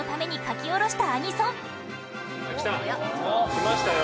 きましたよ。